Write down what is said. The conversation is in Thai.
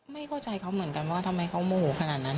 ไม่เข้าใจเขาเหมือนกันว่าทำไมเขาโมโหขนาดนั้น